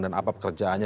dan apa pekerjaannya